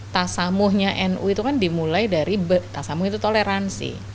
tasamuhnya nu itu kan dimulai dari tasamu itu toleransi